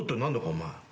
お前。